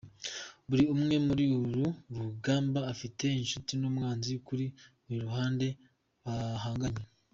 Buri umwe muri uru rugamba afite inshuti n’umwanzi kuri buri ruhande bahanganye.